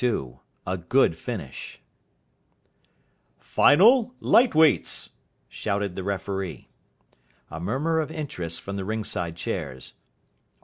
XXII A GOOD FINISH "Final, Light Weights," shouted the referee. A murmur of interest from the ring side chairs.